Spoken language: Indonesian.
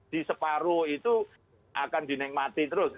di separuh itu akan dinikmati terus